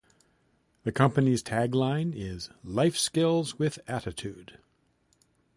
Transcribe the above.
The company's tagline is Life Skills with Attitude!